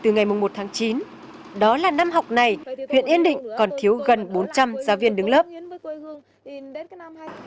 năm hai nghìn chín đó là năm học này huyện yên định còn thiếu gần bốn trăm linh giáo viên đứng lớp